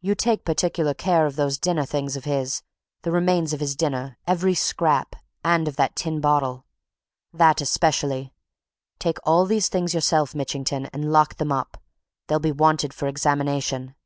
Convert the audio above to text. You take particular care of those dinner things of his the remains of his dinner, every scrap and of that tin bottle. That, especially. Take all these things yourself, Mitchington, and lock them up they'll be wanted for examination."